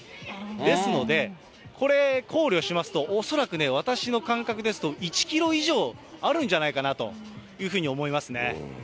ですので、これ、考慮しますと、恐らくね、私の感覚ですと、１キロ以上あるんじゃないかなというふうに思いますね。